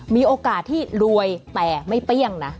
มีโอกาสที่รวยแต่ไม่เปรี้ยงนะ